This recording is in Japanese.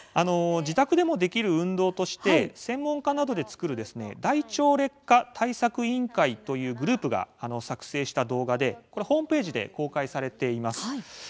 自宅でもできる運動として専門家などで作る「大腸劣化」対策委員会というグループが作成した動画でホームページで公開しています。